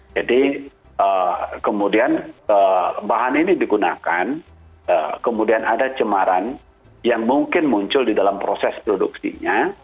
jadi kemudian bahan ini digunakan kemudian ada cemaran yang mungkin muncul di dalam proses produksinya